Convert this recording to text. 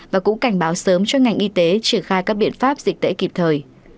và cũng cảnh báo sớm cho ngành y tế triển khai các biện pháp dịch tễ kịp thời